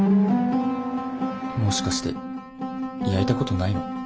もしかして焼いたことないの？